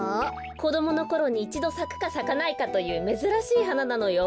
こどものころにいちどさくかさかないかというめずらしいはななのよ。